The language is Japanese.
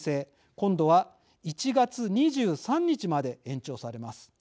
今度は１月２３日まで延長されます。